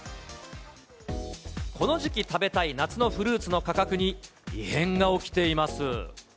この時期食べたい夏のフルーツの価格に異変が起きています。